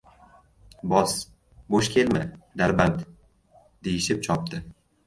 — Bos, bo‘sh kelma, Darband! — deyishib chopdi.